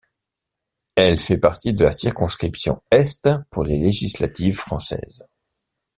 Elle fait partie de la circonscription Est pour les législatives françaises.